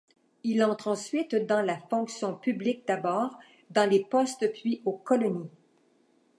Il entre ensuite dans la fonction publique d'abord dans les postes puis aux colonies.